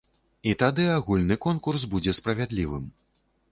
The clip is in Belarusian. І тады агульны конкурс будзе справядлівым.